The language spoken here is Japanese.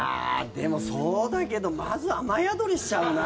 でも、そうだけどまず雨宿りしちゃうな。